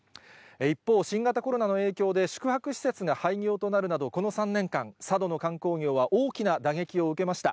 一方、新型コロナの影響で、宿泊施設が廃業となるなど、この３年間、佐渡の観光業は大きな打撃を受けました。